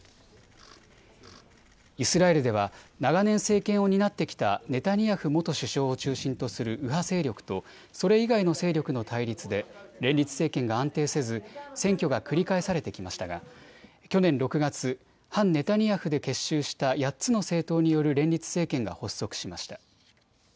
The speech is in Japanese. イスラエルでは長年、政権を担ってきたネタニヤフ元首相を中心とする右派勢力とそれ以外の勢力の対立で連立政権が安定せず選挙が繰り返されてきましたが去年６月、反ネタニヤフで結集した８つの政党による連立政権が発足しました。